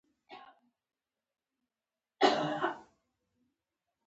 حيران پاتې و چې پروفيسر ته به څه وايي.